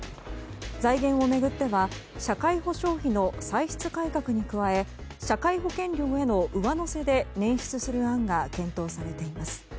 財源を巡っては社会保障費の歳出改革に加え社会保険料への上乗せで捻出する案が検討されています。